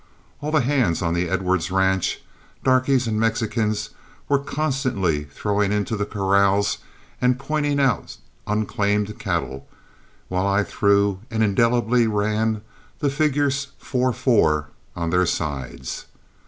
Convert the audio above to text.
All the hands on the Edwards ranch, darkies and Mexicans, were constantly throwing into the corrals and pointing out unclaimed cattle, while I threw and indelibly ran the figures "44" on their sides.